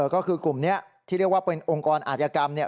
ก็คือกลุ่มนี้ที่เรียกว่าเป็นองค์กรอาธิกรรมเนี่ย